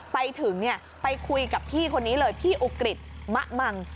ไปถึงไปคุยกับพี่คนนี้เลยพี่อุกฤษมะมัง